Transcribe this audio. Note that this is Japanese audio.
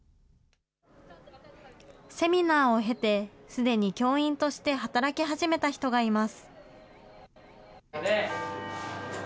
セミナーを経て、すでに教員として働き始めた人がいます。